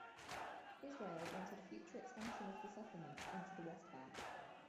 Israel wanted future expansion of the settlements into the West Bank.